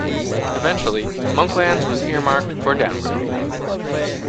Eventually, Monklands was earmarked for downgrading.